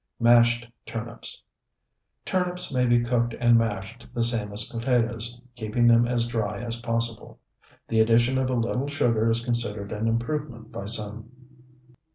MASHED TURNIPS Turnips may be cooked and mashed the same as potatoes, keeping them as dry as possible. The addition of a little sugar is considered an improvement by some.